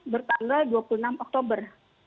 bertanggal dua puluh enam oktober